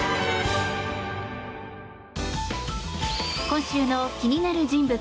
今週の気になる人物